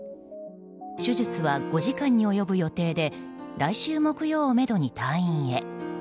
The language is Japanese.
手術は５時間に及ぶ予定で来週木曜をめどに退院へ。